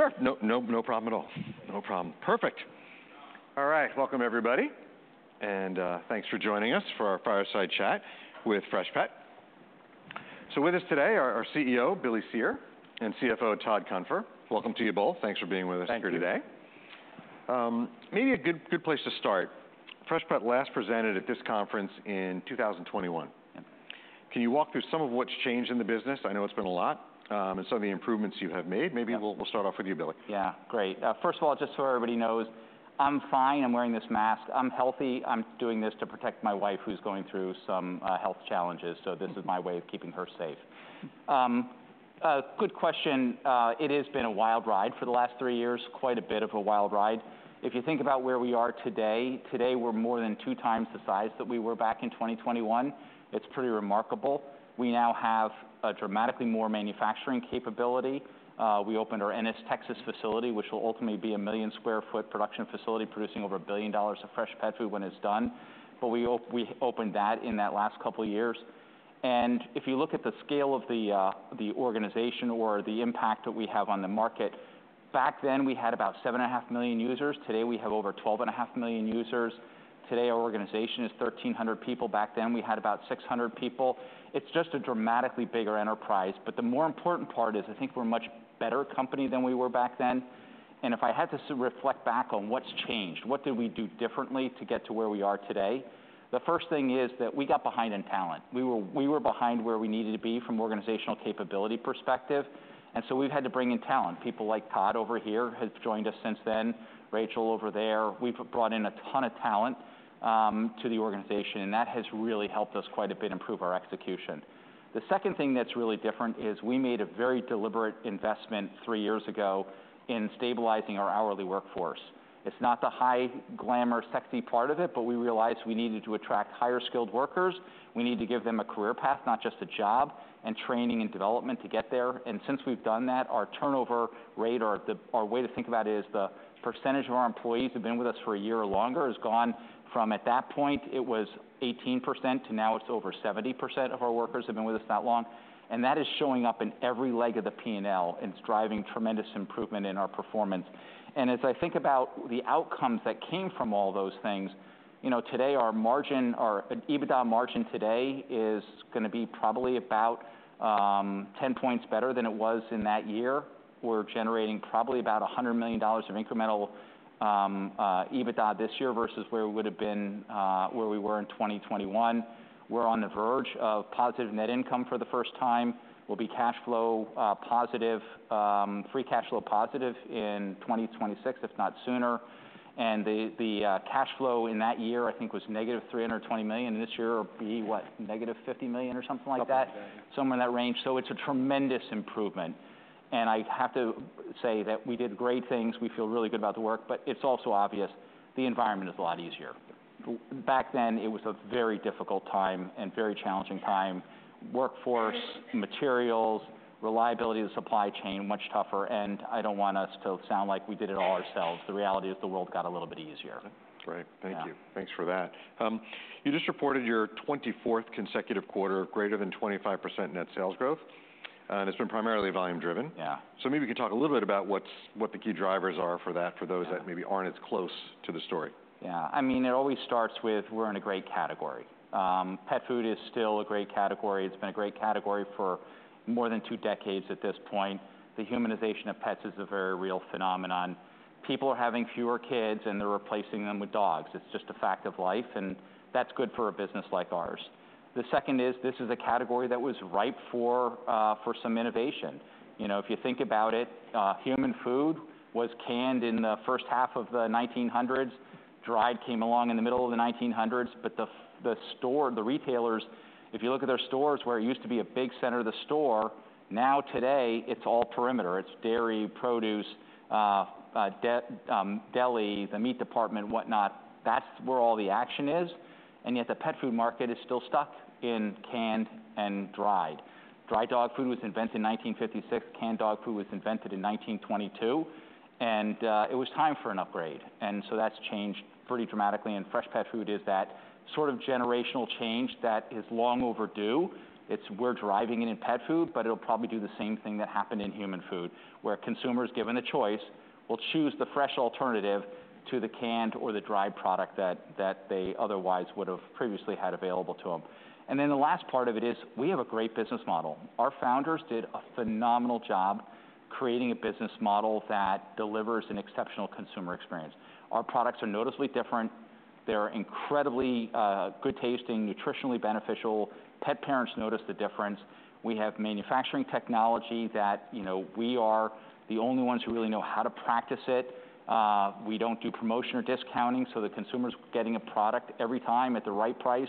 Sure. No, no, no problem at all. No problem. Perfect. All right, welcome everybody, and thanks for joining us for our fireside chat with Freshpet. So with us today are our CEO, Billy Cyr, and CFO, Todd Cunfer. Welcome to you both. Thanks for being with us here today. Thank you. Maybe a good place to start, Freshpet last presented at this conference in 2021. Yep. Can you walk through some of what's changed in the business? I know it's been a lot, and some of the improvements you have made. Yes. Maybe we'll start off with you, Billy. Yeah, great. First of all, just so everybody knows, I'm fine. I'm wearing this mask. I'm healthy. I'm doing this to protect my wife, who's going through some health challenges, so this is my way of keeping her safe. Good question. It has been a wild ride for the last three years, quite a bit of a wild ride. If you think about where we are today, today we're more than two times the size that we were back in 2021. It's pretty remarkable. We now have a dramatically more manufacturing capability. We opened our Ennis, Texas, facility, which will ultimately be a 1 million sq ft production facility, producing over $1 billion of fresh pet food when it's done. But we opened that in that last couple of years. If you look at the scale of the organization or the impact that we have on the market, back then we had about seven and a half million users. Today, we have over twelve and a half million users. Today, our organization is thirteen hundred people. Back then, we had about six hundred people. It's just a dramatically bigger enterprise, but the more important part is, I think we're a much better company than we were back then, and if I had to reflect back on what's changed, what did we do differently to get to where we are today? The first thing is that we got behind in talent. We were behind where we needed to be from an organizational capability perspective, and so we've had to bring in talent. People like Todd over here have joined us since then, Rachel over there. We've brought in a ton of talent to the organization, and that has really helped us quite a bit improve our execution. The second thing that's really different is we made a very deliberate investment three years ago in stabilizing our hourly workforce. It's not the high-glamour, sexy part of it, but we realized we needed to attract higher-skilled workers. We need to give them a career path, not just a job, and training and development to get there. Since we've done that, our turnover rate. Our way to think about it is the percentage of our employees who've been with us for a year or longer has gone from, at that point, it was 18%, to now it's over 70% of our workers have been with us that long. That is showing up in every leg of the P&L, and it's driving tremendous improvement in our performance. As I think about the outcomes that came from all those things, you know, today, our margin, our EBITDA margin today is gonna be probably about ten points better than it was in that year. We're generating probably about $100 million of incremental EBITDA this year, versus where we would've been, where we were in 2021. We're on the verge of positive net income for the first time. We'll be cash flow positive, free cash flow positive in 2026, if not sooner. The cash flow in that year, I think, was -$320 million. This year it'll be, what? -$50 million or something like that. $2 million. Somewhere in that range. So it's a tremendous improvement, and I have to say that we did great things. We feel really good about the work, but it's also obvious the environment is a lot easier. Back then, it was a very difficult time and very challenging time. Workforce, materials, reliability of the supply chain, much tougher, and I don't want us to sound like we did it all ourselves. The reality is, the world got a little bit easier. That's right. Yeah. Thank you. Thanks for that. You just reported your twenty-fourth consecutive quarter of greater than 25% net sales growth, and it's been primarily volume driven. Yeah. Maybe you could talk a little bit about what the key drivers are for that, for those- Yeah... that maybe aren't as close to the story. Yeah. I mean, it always starts with, we're in a great category. Pet food is still a great category. It's been a great category for more than two decades at this point. The humanization of pets is a very real phenomenon. People are having fewer kids, and they're replacing them with dogs. It's just a fact of life, and that's good for a business like ours. The second is, this is a category that was ripe for some innovation. You know, if you think about it, human food was canned in the first half of the nineteen hundreds. Dried came along in the middle of the nineteen hundreds, but the store, the retailers, if you look at their stores, where it used to be a big center of the store, now, today, it's all perimeter. It's dairy, produce, deli, the meat department, whatnot. That's where all the action is, and yet the pet food market is still stuck in canned and dried. Dry dog food was invented in 1956. Canned dog food was invented in 1922, and it was time for an upgrade, and so that's changed pretty dramatically. Fresh pet food is that sort of generational change that is long overdue. It's. We're driving it in pet food, but it'll probably do the same thing that happened in human food, where consumers, given the choice, will choose the fresh alternative to the canned or the dried product that they otherwise would have previously had available to them. Then the last part of it is, we have a great business model. Our founders did a phenomenal job creating a business model that delivers an exceptional consumer experience. Our products are noticeably different. They're incredibly, good-tasting, nutritionally beneficial. Pet parents notice the difference. We have manufacturing technology that, you know, we are the only ones who really know how to practice it. We don't do promotion or discounting, so the consumer's getting a product every time at the right price.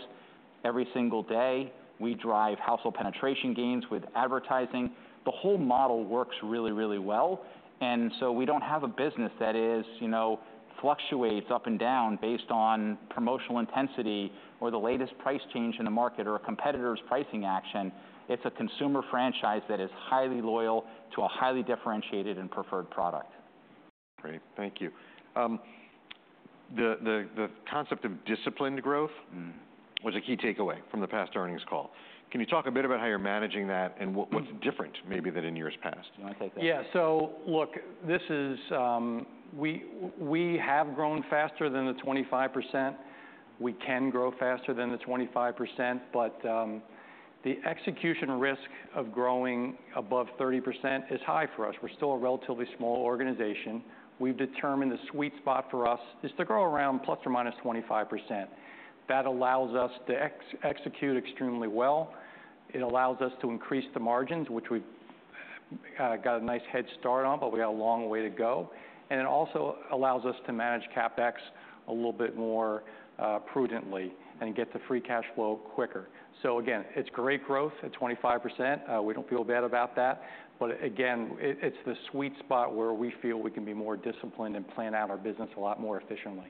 Every single day, we drive household penetration gains with advertising. The whole model works really, really well, and so we don't have a business that is, you know, fluctuates up and down based on promotional intensity or the latest price change in the market or a competitor's pricing action. It's a consumer franchise that is highly loyal to a highly differentiated and preferred product. ... Great. Thank you. The concept of disciplined growth was a key takeaway from the past earnings call. Can you talk a bit about how you're managing that, and what, what's different maybe than in years past? You wanna take that? Yeah, so look. This is. We have grown faster than the 25%. We can grow faster than the 25%, but the execution risk of growing above 30% is high for us. We're still a relatively small organization. We've determined the sweet spot for us is to grow around plus or minus 25%. That allows us to execute extremely well. It allows us to increase the margins, which we've got a nice head start on, but we got a long way to go, and it also allows us to manage CapEx a little bit more prudently, and get the free cash flow quicker. Again, it's great growth at 25%, we don't feel bad about that, but again, it's the sweet spot where we feel we can be more disciplined and plan out our business a lot more efficiently.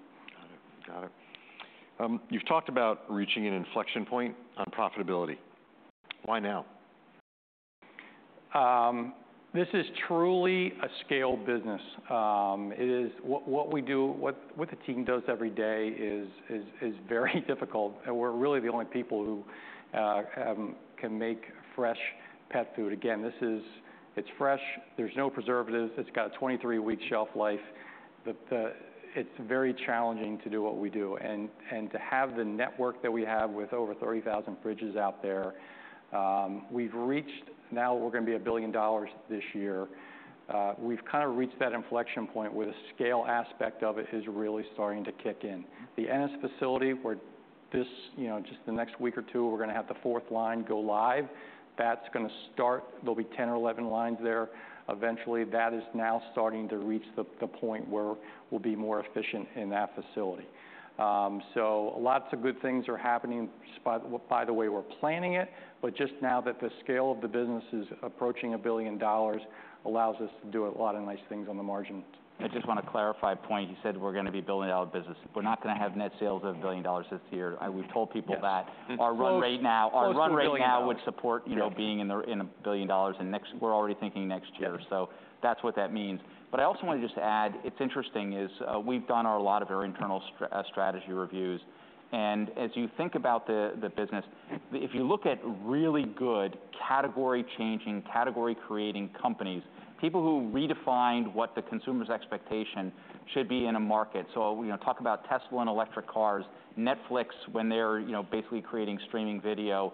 Got it. Got it. You've talked about reaching an inflection point on profitability. Why now? This is truly a scale business. It is. What we do, what the team does every day is very difficult, and we're really the only people who can make fresh pet food. Again, this is. It's fresh, there's no preservatives, it's got a 23-week shelf life. But it's very challenging to do what we do. And to have the network that we have with over 30,000 fridges out there, we've reached. Now we're gonna be $1 billion this year. We've kind of reached that inflection point where the scale aspect of it is really starting to kick in. The Ennis facility, where this, you know, just the next week or two, we're gonna have the fourth line go live, that's gonna start. There'll be 10 or 11 lines there eventually. That is now starting to reach the point where we'll be more efficient in that facility. So lots of good things are happening by the way we're planning it, but just now that the scale of the business is approaching $1 billion, allows us to do a lot of nice things on the margin. I just wanna clarify a point. You said we're gonna be a $1 billion business. We're not gonna have net sales of $1 billion this year. Yes. We've told people that. It's close. Our run rate now- Close to $1 billion. Our run rate now would support, you know- Yeah... being in $1 billion and next- we're already thinking next year. Yep. So that's what that means. But I also want to just add, it's interesting, is, we've done a lot of our internal strategy reviews, and as you think about the business, if you look at really good category-changing, category-creating companies, people who redefined what the consumer's expectation should be in a market. So, you know, talk about Tesla and electric cars, Netflix, when they were, you know, basically creating streaming video,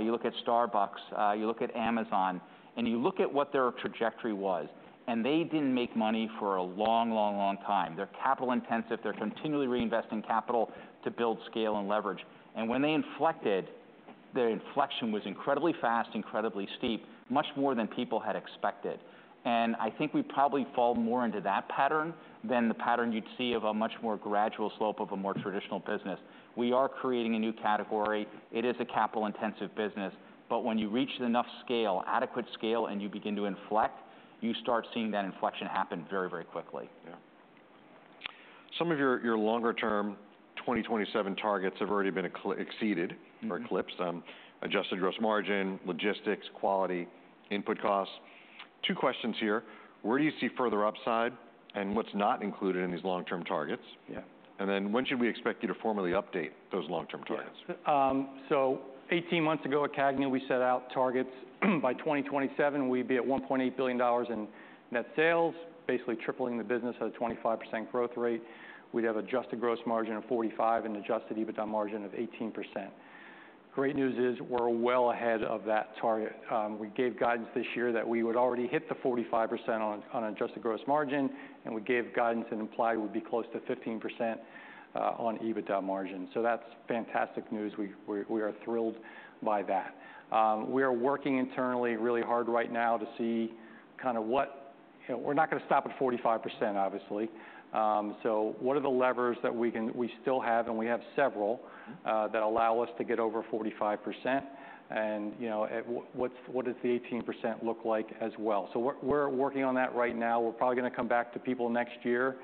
you look at Starbucks, you look at Amazon, and you look at what their trajectory was, and they didn't make money for a long, long, long time. They're capital intensive, they're continually reinvesting capital to build scale and leverage. And when they inflected, their inflection was incredibly fast, incredibly steep, much more than people had expected. And I think we probably fall more into that pattern than the pattern you'd see of a much more gradual slope of a more traditional business. We are creating a new category. It is a capital-intensive business, but when you reach enough scale, adequate scale, and you begin to inflect, you start seeing that inflection happen very, very quickly. Yeah. Some of your longer-term 2027 targets have already been exceeded or eclipsed, adjusted gross margin, logistics, quality, input costs. Two questions here: Where do you see further upside? And what's not included in these long-term targets? Yeah. When should we expect you to formally update those long-term targets? Yeah. So 18 months ago at CAGNY, we set out targets, by 2027, we'd be at $1.8 billion in net sales, basically tripling the business at a 25% growth rate. We'd have adjusted gross margin of 45% and adjusted EBITDA margin of 18%. Great news is, we're well ahead of that target. We gave guidance this year that we would already hit the 45% on adjusted gross margin, and we gave guidance and implied we'd be close to 15% on EBITDA margin. So that's fantastic news. We are thrilled by that. We are working internally really hard right now to see kind of what... You know, we're not gonna stop at 45%, obviously. So what are the levers that we still have, and we have several that allow us to get over 45%? You know, at what, what does the 18% look like as well? So we're working on that right now. We're probably gonna come back to people next year,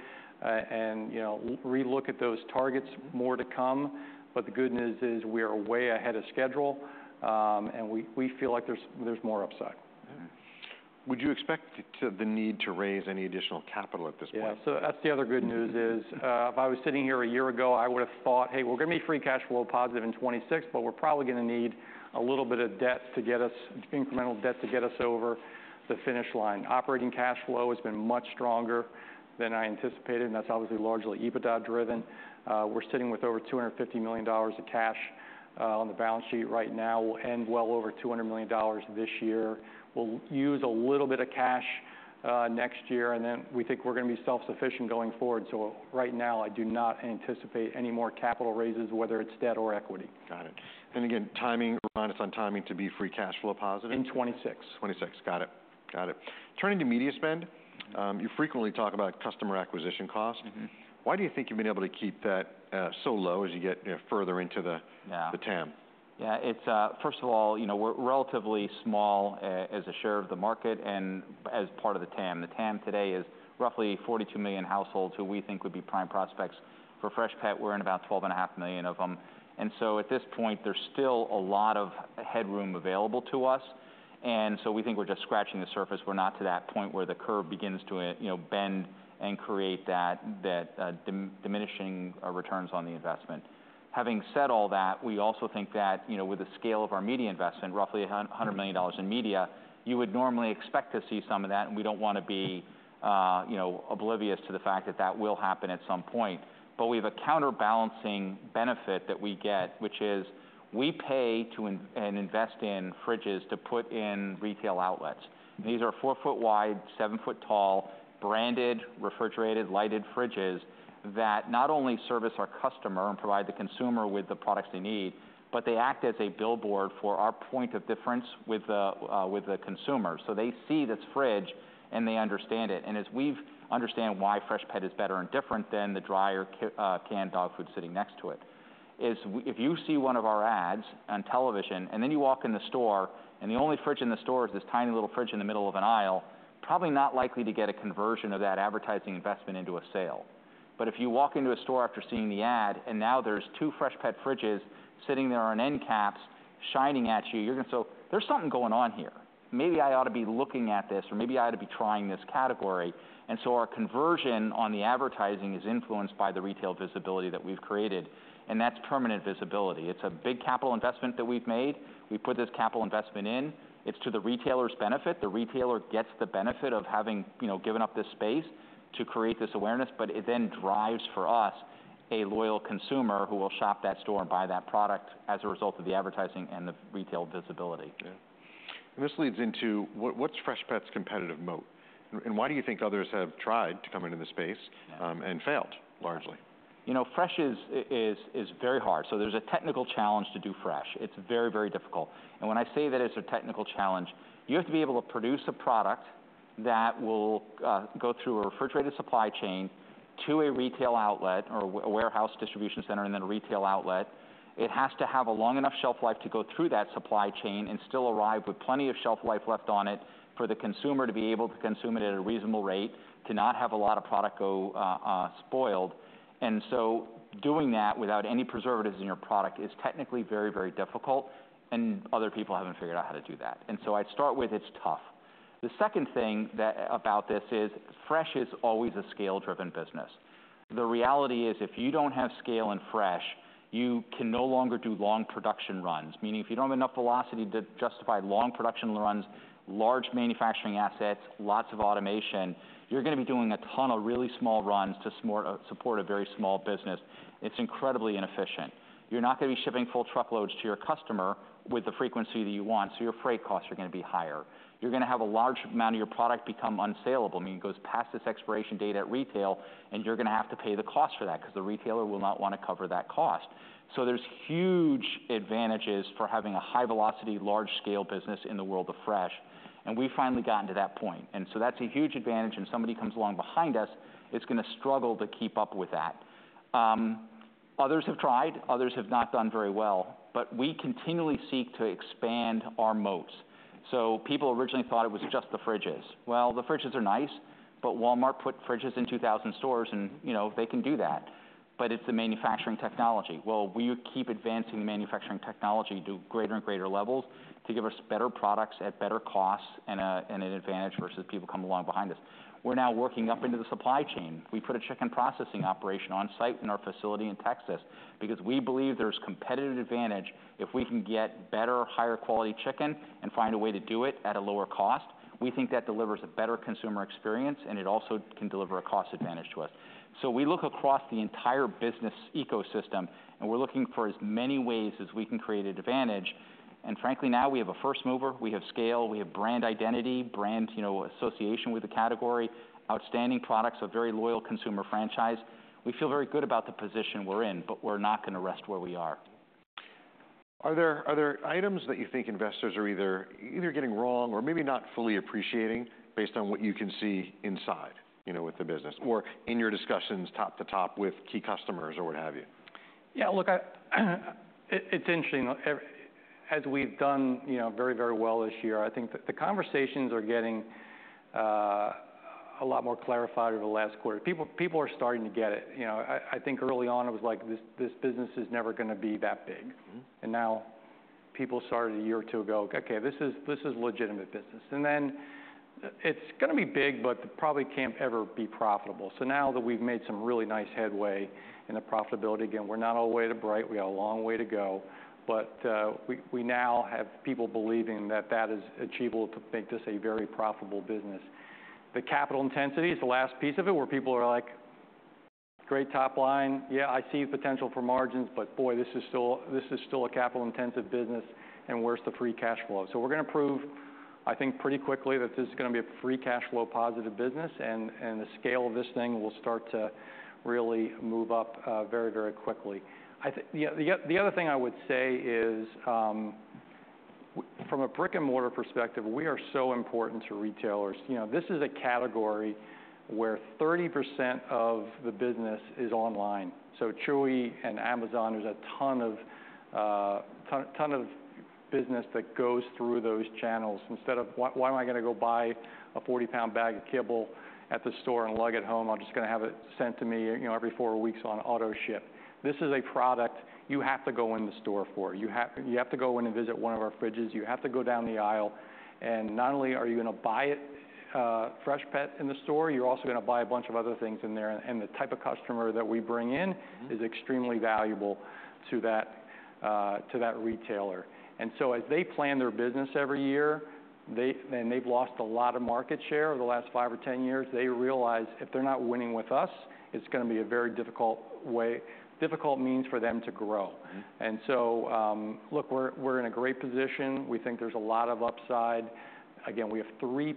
and, you know, re-look at those targets. More to come, but the good news is, we are way ahead of schedule, and we feel like there's more upside. Would you expect the need to raise any additional capital at this point? Yeah, so that's the other good news. If I was sitting here a year ago, I would've thought, "Hey, we're gonna be free cash flow positive in 2026, but we're probably gonna need a little bit of debt to get us, incremental debt to get us over the finish line." Operating cash flow has been much stronger than I anticipated, and that's obviously largely EBITDA-driven. We're sitting with over $250 million of cash on the balance sheet right now. We'll end well over $200 million this year. We'll use a little bit of cash next year, and then we think we're gonna be self-sufficient going forward. Right now, I do not anticipate any more capital raises, whether it's debt or equity. Got it. And again, timing, remind us on timing to be Free Cash Flow positive? In '26. '26, got it. Got it. Turning to media spend, you frequently talk about customer acquisition costs. Why do you think you've been able to keep that so low as you get, you know, further into the- Yeah... the TAM?... Yeah, it's first of all, you know, we're relatively small as a share of the market and as part of the TAM. The TAM today is roughly 42 million households who we think would be prime prospects. For Freshpet, we're in about 12.5 million of them. And so at this point, there's still a lot of headroom available to us, and so we think we're just scratching the surface. We're not to that point where the curve begins to, you know, bend and create that diminishing returns on the investment. Having said all that, we also think that, you know, with the scale of our media investment, roughly $100 million in media, you would normally expect to see some of that, and we don't want to be, you know, oblivious to the fact that that will happen at some point. But we have a counterbalancing benefit that we get, which is we pay to and invest in fridges to put in retail outlets. These are four-foot wide, seven-foot tall, branded, refrigerated, lighted fridges that not only service our customer and provide the consumer with the products they need, but they act as a billboard for our point of difference with the consumer. They see this fridge, and they understand it, and as we understand why Freshpet is better and different than the drier canned dog food sitting next to it. If you see one of our ads on television, and then you walk in the store, and the only fridge in the store is this tiny little fridge in the middle of an aisle, probably not likely to get a conversion of that advertising investment into a sale, but if you walk into a store after seeing the ad, and now there's two Freshpet fridges sitting there on end caps, shining at you, you're going to say, "There's something going on here. Maybe I ought to be looking at this, or maybe I ought to be trying this category." And so our conversion on the advertising is influenced by the retail visibility that we've created, and that's permanent visibility. It's a big capital investment that we've made. We put this capital investment in. It's to the retailer's benefit. The retailer gets the benefit of having, you know, given up this space to create this awareness, but it then drives, for us, a loyal consumer who will shop that store and buy that product as a result of the advertising and the retail visibility. Yeah. And this leads into what, what's Freshpet's competitive moat? And, and why do you think others have tried to come into the space, and failed largely? You know, fresh is very hard, so there's a technical challenge to do fresh. It's very, very difficult, and when I say that it's a technical challenge, you have to be able to produce a product that will go through a refrigerated supply chain to a retail outlet or a warehouse distribution center and then a retail outlet. It has to have a long enough shelf life to go through that supply chain and still arrive with plenty of shelf life left on it for the consumer to be able to consume it at a reasonable rate, to not have a lot of product go spoiled, and so doing that without any preservatives in your product is technically very, very difficult, and other people haven't figured out how to do that, and so I'd start with it's tough. The second thing that about this is fresh is always a scale-driven business. The reality is, if you don't have scale in fresh, you can no longer do long production runs, meaning if you don't have enough velocity to justify long production runs, large manufacturing assets, lots of automation, you're going to be doing a ton of really small runs to sort of support a very small business. It's incredibly inefficient. You're not going to be shipping full truckloads to your customer with the frequency that you want, so your freight costs are going to be higher. You're going to have a large amount of your product become unsalable, meaning it goes past its expiration date at retail, and you're going to have to pay the cost for that because the retailer will not want to cover that cost. There's huge advantages for having a high-velocity, large-scale business in the world of fresh, and we've finally gotten to that point. And so that's a huge advantage, and if somebody comes along behind us, it's going to struggle to keep up with that. Others have tried, others have not done very well, but we continually seek to expand our moats. People originally thought it was just the fridges. The fridges are nice, but Walmart put fridges in 2,000 stores, and, you know, they can do that. But it's the manufacturing technology. We keep advancing the manufacturing technology to greater and greater levels to give us better products at better costs and an advantage versus people who come along behind us. We're now working up into the supply chain. We put a chicken processing operation on site in our facility in Texas because we believe there's competitive advantage if we can get better, higher-quality chicken and find a way to do it at a lower cost. We think that delivers a better consumer experience, and it also can deliver a cost advantage to us. So we look across the entire business ecosystem, and we're looking for as many ways as we can create an advantage. And frankly, now we have a first mover, we have scale, we have brand identity, brand, you know, association with the category, outstanding products, a very loyal consumer franchise. We feel very good about the position we're in, but we're not going to rest where we are. Are there items that you think investors are either getting wrong or maybe not fully appreciating based on what you can see inside, you know, with the business or in your discussions top to top with key customers or what have you? Yeah, look, it's interesting, as we've done, you know, very, very well this year. I think the conversations are getting a lot more clarified over the last quarter. People are starting to get it. You know, I think early on it was like this business is never going to be that big. Now people started a year or two ago, "Okay, this is legitimate business." And then, "It's going to be big, but it probably can't ever be profitable." So now that we've made some really nice headway in the profitability, again, we're not all the way to breakeven, we have a long way to go, but we now have people believing that that is achievable to make this a very profitable business. The capital intensity is the last piece of it, where people are like: Great top line. Yeah, I see potential for margins, but boy, this is still a capital-intensive business, and where's the free cash flow? So we're going to prove, I think, pretty quickly, that this is going to be a free cash flow positive business, and the scale of this thing will start to really move up very, very quickly. I think. Yeah, the other thing I would say is from a brick-and-mortar perspective, we are so important to retailers. You know, this is a category where 30% of the business is online, so Chewy and Amazon, there's a ton of business that goes through those channels. Instead of why am I gonna go buy a 40-pound bag of kibble at the store and lug it home? I'm just gonna have it sent to me, you know, every four weeks on auto ship. This is a product you have to go in the store for. You have to go in and visit one of our fridges. You have to go down the aisle, and not only are you gonna buy it, Freshpet in the store, you're also gonna buy a bunch of other things in there, and the type of customer that we bring in it is extremely valuable to that, to that retailer. And so as they plan their business every year, they, and they've lost a lot of market share over the last five or 10 years, they realize if they're not winning with us, it's gonna be a very difficult way, difficult means for them to grow. Look, we're in a great position. We think there's a lot of upside. Again, we have 3%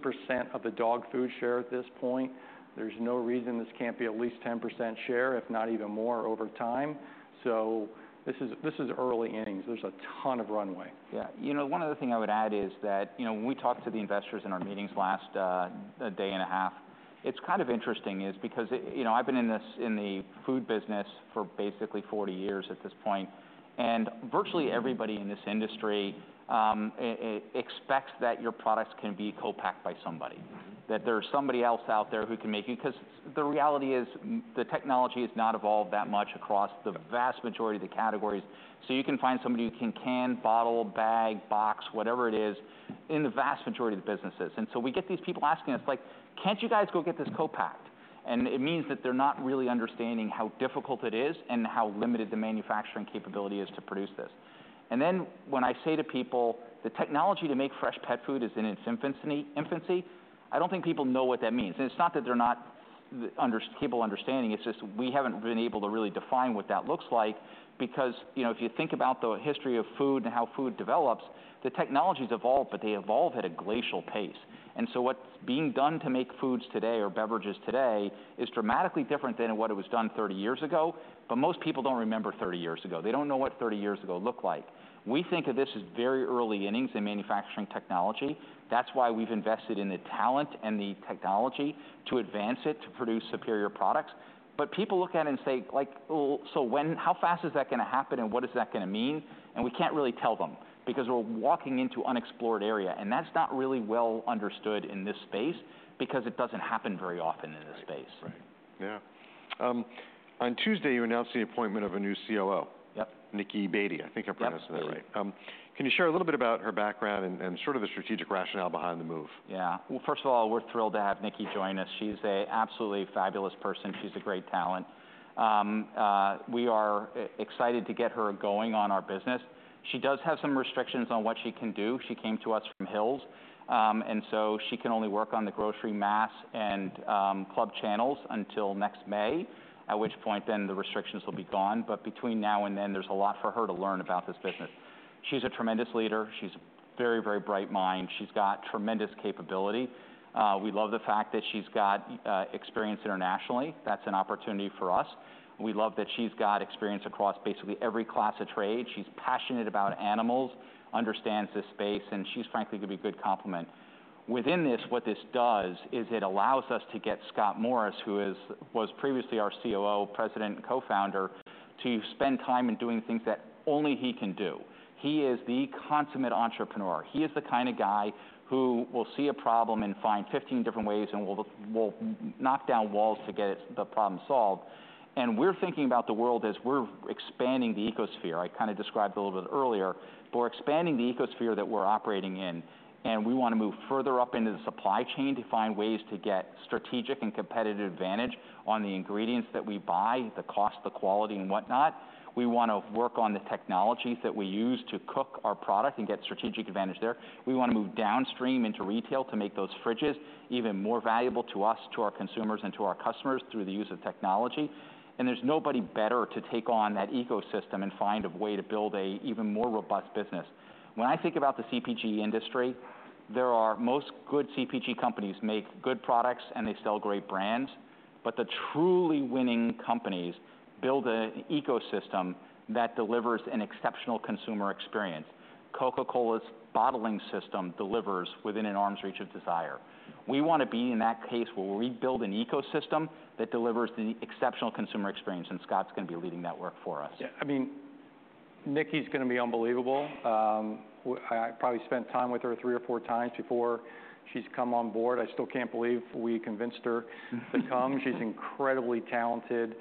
of the dog food share at this point. There's no reason this can't be at least 10% share, if not even more over time. This is early innings. There's a ton of runway. Yeah. You know, one other thing I would add is that, you know, when we talked to the investors in our meetings last day and a half, it's kind of interesting is because, you know, I've been in the food business for basically forty years at this point, and virtually everybody in this industry expects that your products can be co-packed by somebody. That there's somebody else out there who can make it, because the reality is, the technology has not evolved that much across the vast majority of the categories, so you can find somebody who can bottle, bag, box, whatever it is, in the vast majority of the businesses, and so we get these people asking us, like, "Can't you guys go get this co-packed?" It means that they're not really understanding how difficult it is and how limited the manufacturing capability is to produce this, and then when I say to people, "The technology to make fresh pet food is in its infancy, infancy," I don't think people know what that means, and it's not that they're not incapable of understanding. It's just we haven't been able to really define what that looks like. Because, you know, if you think about the history of food and how food develops, the technology's evolved, but they evolve at a glacial pace, and so what's being done to make foods today or beverages today is dramatically different than what it was done thirty years ago, but most people don't remember thirty years ago. They don't know what thirty years ago looked like. We think of this as very early innings in manufacturing technology. That's why we've invested in the talent and the technology to advance it, to produce superior products, but people look at it and say, like, "Well, so when, how fast is that gonna happen, and what is that gonna mean?", and we can't really tell them because we're walking into unexplored area, and that's not really well understood in this space because it doesn't happen very often in this space. Right. Right. Yeah. On Tuesday, you announced the appointment of a new COO. Yep. Nicki Baty, I think I pronounced that right. Yep. Can you share a little bit about her background and sort of the strategic rationale behind the move? Yeah. Well, first of all, we're thrilled to have Nicki join us. She's a absolutely fabulous person. She's a great talent. We are excited to get her going on our business. She does have some restrictions on what she can do. She came to us from Hill's, and so she can only work on the grocery, mass, and club channels until next May, at which point then the restrictions will be gone. But between now and then, there's a lot for her to learn about this business. She's a tremendous leader. She's a very, very bright mind. She's got tremendous capability. We love the fact that she's got experience internationally. That's an opportunity for us. We love that she's got experience across basically every class of trade. She's passionate about animals, understands this space, and she's frankly gonna be a good complement. Within this, what this does is it allows us to get Scott Morris, who was previously our COO, President, and co-founder, to spend time in doing things that only he can do. He is the consummate entrepreneur. He is the kind of guy who will see a problem and find fifteen different ways and will knock down walls to get the problem solved. We're thinking about the world as we're expanding the ecosphere. I kind of described a little bit earlier, but we're expanding the ecosphere that we're operating in, and we want to move further up into the supply chain to find ways to get strategic and competitive advantage on the ingredients that we buy, the cost, the quality, and whatnot. We want to work on the technologies that we use to cook our product and get strategic advantage there. We want to move downstream into retail to make those fridges even more valuable to us, to our consumers, and to our customers through the use of technology, and there's nobody better to take on that ecosystem and find a way to build an even more robust business. When I think about the CPG industry, most good CPG companies make good products, and they sell great brands, but the truly winning companies build an ecosystem that delivers an exceptional consumer experience. Coca-Cola's bottling system delivers within an arm's reach of desire. We want to be in that case where we build an ecosystem that delivers the exceptional consumer experience, and Scott's gonna be leading that work for us. Yeah, I mean, Nicki's gonna be unbelievable. I probably spent time with her three or four times before she's come on board. I still can't believe we convinced her to come. She's incredibly talented.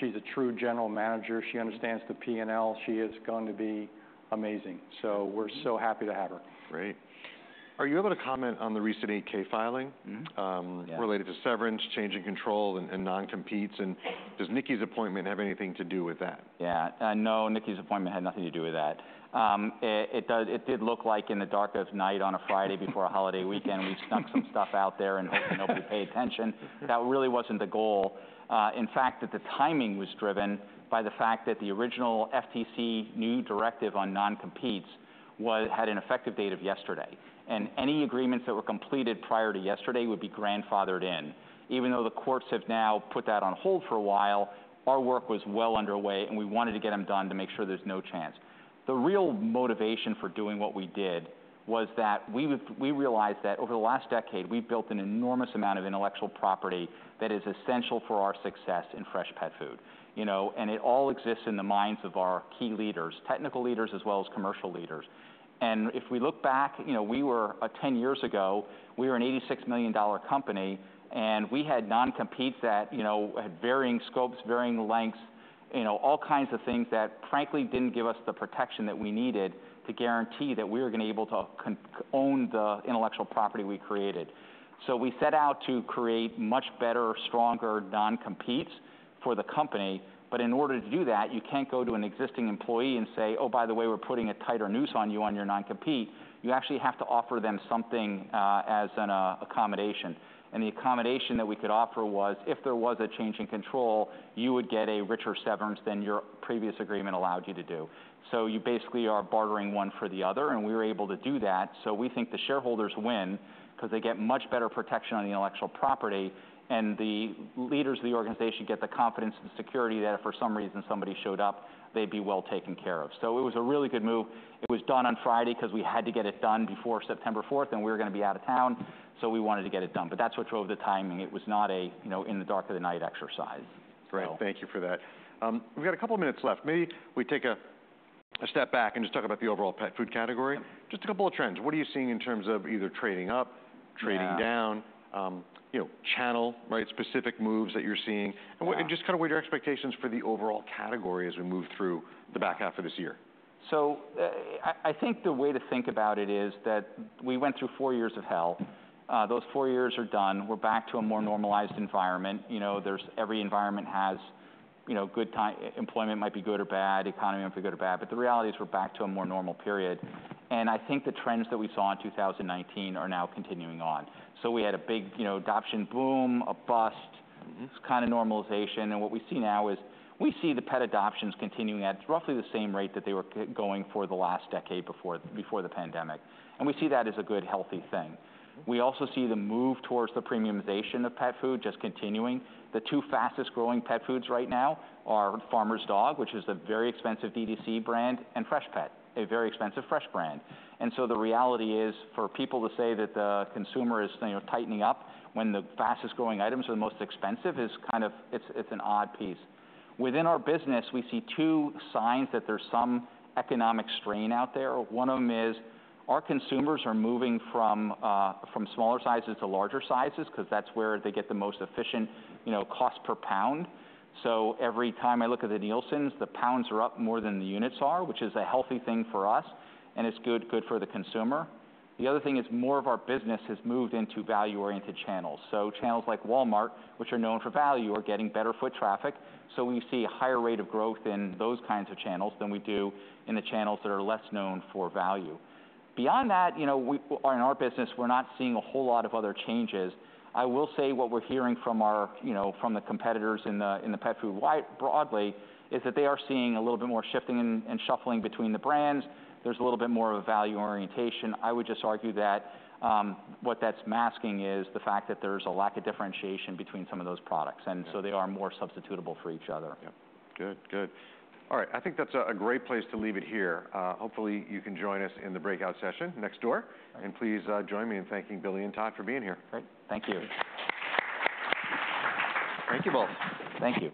She's a true general manager. She understands the P&L. She is going to be amazing, so we're so happy to have her. Great. Are you able to comment on the recent 8-K filing? Yeah... related to severance, change of control, and non-competes? And does Nicki's appointment have anything to do with that? Yeah. No, Nicki's appointment had nothing to do with that. It did look like in the dark of night on a Friday before a holiday weekend, we snuck some stuff out there and hoping nobody would pay attention. That really wasn't the goal. In fact, the timing was driven by the fact that the original FTC new directive on non-competes had an effective date of yesterday, and any agreements that were completed prior to yesterday would be grandfathered in. Even though the courts have now put that on hold for a while, our work was well underway, and we wanted to get them done to make sure there's no chance. The real motivation for doing what we did was that we realized that over the last decade, we've built an enormous amount of intellectual property that is essential for our success in fresh pet food. You know, and it all exists in the minds of our key leaders, technical leaders, as well as commercial leaders. If we look back, you know, ten years ago, we were an $86 million company, and we had non-competes that, you know, had varying scopes, varying lengths, you know, all kinds of things that frankly didn't give us the protection that we needed to guarantee that we were gonna able to own the intellectual property we created. So we set out to create much better, stronger non-competes for the company, but in order to do that, you can't go to an existing employee and say, "Oh, by the way, we're putting a tighter noose on you on your non-compete." You actually have to offer them something, as an accommodation. And the accommodation that we could offer was, if there was a change in control, you would get a richer severance than your previous agreement allowed you to do. So you basically are bartering one for the other, and we were able to do that. So we think the shareholders win, 'cause they get much better protection on the intellectual property, and the leaders of the organization get the confidence and security that if for some reason somebody showed up, they'd be well taken care of. So it was a really good move. It was done on Friday, 'cause we had to get it done before September 4th, and we were gonna be out of town, so we wanted to get it done. But that's what drove the timing. It was not a, you know, in the dark of the night exercise. So- Great, thank you for that. We've got a couple minutes left. Maybe we take a step back and just talk about the overall pet food category. Just a couple of trends. What are you seeing in terms of either trading up- Yeah... trading down, you know, channel, right, specific moves that you're seeing? Yeah. And just kind of, what are your expectations for the overall category as we move through the back half of this year? So, I think the way to think about it is that we went through four years of hell. Those four years are done. We're back to a more normalized environment. You know, every environment has, you know, employment might be good or bad, economy might be good or bad, but the reality is we're back to a more normal period. I think the trends that we saw in 2019 are now continuing on. So we had a big, you know, adoption boom, a bust just kind of normalization. And what we see now is we see the pet adoptions continuing at roughly the same rate that they were going for the last decade before, before the pandemic, and we see that as a good, healthy thing. We also see the move towards the premiumization of pet food just continuing. The two fastest growing pet foods right now are Farmer's Dog, which is a very expensive DTC brand, and Freshpet, a very expensive fresh brand. And so the reality is, for people to say that the consumer is, you know, tightening up, when the fastest growing items are the most expensive, is kind of... It's, it's an odd piece. Within our business, we see two signs that there's some economic strain out there. One of them is our consumers are moving from from smaller sizes to larger sizes, 'cause that's where they get the most efficient, you know, cost per pound. So every time I look at the Nielsens, the pounds are up more than the units are, which is a healthy thing for us, and it's good for the consumer. The other thing is more of our business has moved into value-oriented channels. So channels like Walmart, which are known for value, are getting better foot traffic, so we see a higher rate of growth in those kinds of channels than we do in the channels that are less known for value. Beyond that, you know, we, in our business, we're not seeing a whole lot of other changes. I will say what we're hearing from our, you know, from the competitors in the pet food broadly, is that they are seeing a little bit more shifting and shuffling between the brands. There's a little bit more of a value orientation. I would just argue that what that's masking is the fact that there's a lack of differentiation between some of those products. Yeah... and so they are more substitutable for each other. Yep. Good, good. All right, I think that's a great place to leave it here. Hopefully you can join us in the breakout session next door. Okay. And please, join me in thanking Billy and Todd for being here. Great, thank you. Thank you both. Thank you.